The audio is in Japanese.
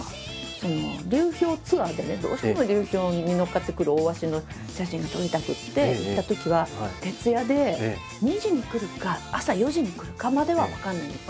その流氷ツアーでねどうしても流氷に乗っかってくるオオワシの写真が撮りたくて行ったときは徹夜で２時に来るか朝４時に来るかまでは分からないんです。